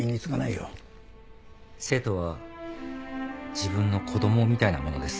生徒は自分の子供みたいなものです。